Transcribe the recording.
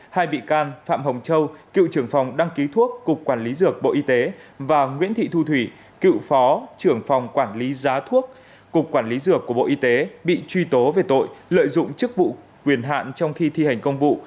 hai bị can phạm hồng châu cựu trưởng phòng đăng ký thuốc cục quản lý dược bộ y tế và nguyễn thị thu thủy cựu phó trưởng phòng quản lý giá thuốc cục quản lý dược của bộ y tế bị truy tố về tội lợi dụng chức vụ quyền hạn trong khi thi hành công vụ